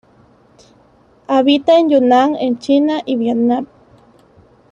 Habita en Yunnan en China y Vietnam.